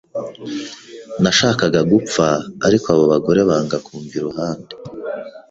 Nashakaga gupfa, ariko abo bagore banga kumva iruhande,